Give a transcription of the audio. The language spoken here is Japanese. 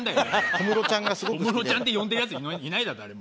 「小室ちゃん」って呼んでるヤツいないだろ誰も。